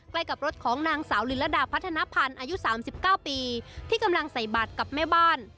ใกล้กับรถของนางสาวลินระดาพัฒนภัณฑ์อายุ๓๙ปีที่กำลังใส่บัตรกับแม่บ้าน